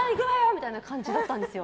みたいな感じだったんですよ。